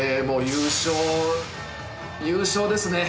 優勝優勝ですね。